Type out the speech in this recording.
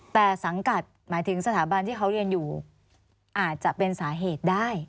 แต่สังกัดหมายถึงสถาบันที่เขาเรียนอยู่อาจจะเป็นสาเหตุได้